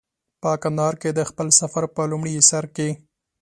په کندهار کې د خپل سفر په لومړي سر کې.